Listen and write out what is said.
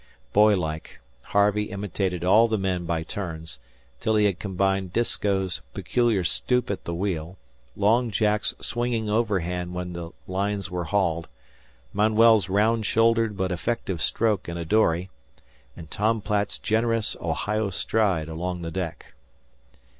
Boylike, Harvey imitated all the men by turns, till he had combined Disko's peculiar stoop at the wheel, Long Jack's swinging overhand when the lines were hauled, Manuel's round shouldered but effective stroke in a dory, and Tom Platt's generous Ohio stride along the deck.